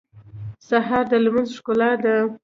سهار د لمونځ ښکلا ده.